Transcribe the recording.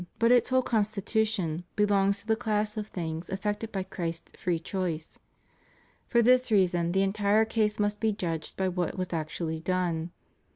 355 but its whole constitution, belongs to the class of things effected by Christ's free choice. For this reason the entire case must be judged by what was actually done.